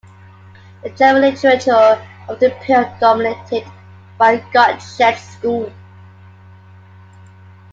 The German literature of the period was dominated by Gottsched's school.